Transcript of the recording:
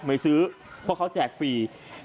ไม่ซื้อเพราะเขาแจกฟรี